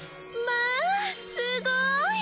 まあすごい！